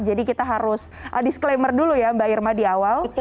jadi kita harus disclaimer dulu ya mbak irma di awal